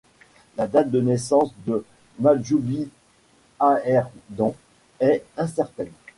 La date de naissance de Mahjoubi Aherdan est incertaine.